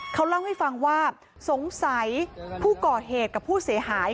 เขาเล่าให้ฟังว่าสงสัยผู้ก่อเหตุกับผู้เสียหาย